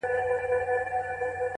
د گلو كر نه دى چي څوك يې پــټ كړي؛